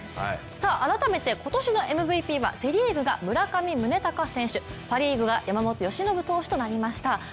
改めて今年のＭＶＰがセ・リーグが村上宗隆選手、パ・リーグが山本由伸投手となりました。